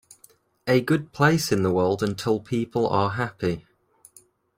A good place in the world until people are happy.